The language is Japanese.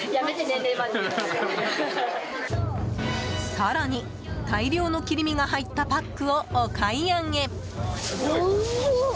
更に大量の切り身が入ったパックをお買い上げ。